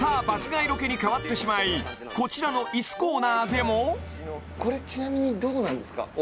変わってしまいこちらの椅子コーナーでもこれちなみにどうなんですか？